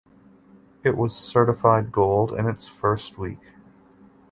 It was certified gold in its first week.